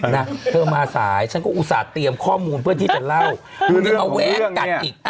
นะเธอมาสายฉันก็อุตส่าห์เตรียมข้อมูลเพื่อที่จะเล่าดูยังมาแว้งกัดอีก